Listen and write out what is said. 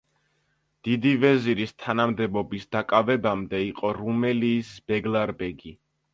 დიდი ვეზირის თანამდებობის დაკავებამდე იყო რუმელიის ბეგლარბეგი.